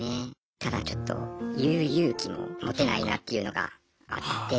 ただちょっと言う勇気も持てないなっていうのがあって。